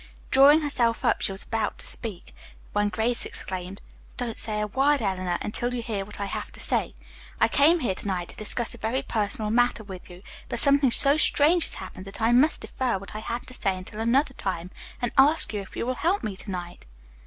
Drawing herself up, she was about to speak, when Grace exclaimed: "Don't say a word, Eleanor, until you hear what I have to say. I came here to night to discuss a very personal matter with you, but something so strange has happened that I must defer what I had to say until another time and ask you if you will help me to night."